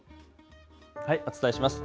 お伝えします。